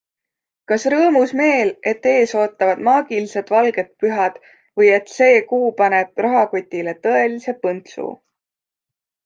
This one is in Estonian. Kas rõõmus meel, et ees ootavad maagilised valged pühad või et see kuu paneb rahakotile tõelise põntsu?